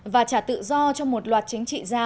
và trả tự do cho một loạt chính trị gia